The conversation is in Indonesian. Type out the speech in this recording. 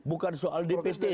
bukan soal dpt